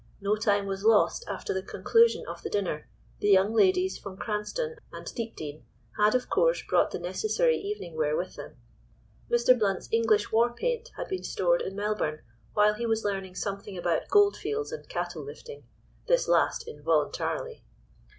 No time was lost after the conclusion of the dinner. The young ladies from Cranstoun and Deepdene had, of course, brought the necessary evening wear with them. Mr. Blount's English war paint had been stored in Melbourne while he was learning something about gold fields and cattle lifting, this last involuntarily.